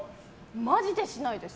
マジでしないです。